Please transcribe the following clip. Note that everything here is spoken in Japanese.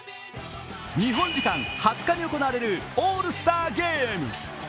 日本時間２０日に行われるオールスターゲーム。